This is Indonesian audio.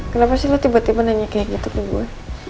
kenapa sih lo tiba tiba nanya kayak gitu ke gue